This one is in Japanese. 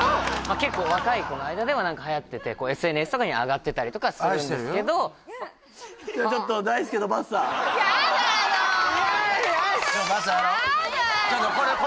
結構若い子の間では何かはやっててこうＳＮＳとかに上がってたりとかするんですけどちょっとばっさーやろう嫌だよ